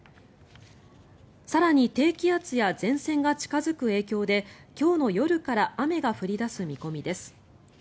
更に低気圧や前線が近付く影響で今日の夜から雨が降り出す見込みです。